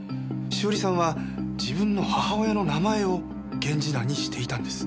栞さんは自分の母親の名前を源氏名にしていたんです。